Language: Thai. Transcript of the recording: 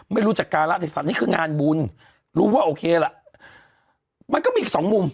ไม่รู้จักการะในสัตว์นี่คืองานบุญรู้ว่าโอเคล่ะมันก็มีอีกสองมุม